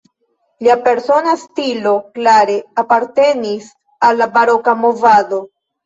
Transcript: Lia persona stilo klare apartenis al la baroka movado.